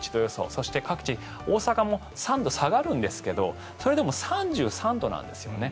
そして、各地、大阪も３度下がるんですけれどそれでも３３度なんですよね。